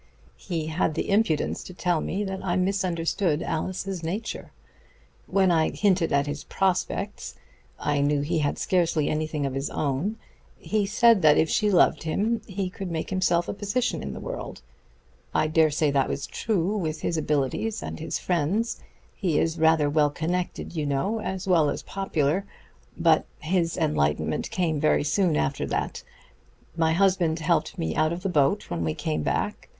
He had the impudence to tell me that I misunderstood Alice's nature. When I hinted at his prospects I knew he had scarcely anything of his own he said that if she loved him he could make himself a position in the world. I dare say that was true, with his abilities and his friends; he is rather well connected, you know, as well as popular. But his enlightenment came very soon after that. "My husband helped me out of the boat when we came back.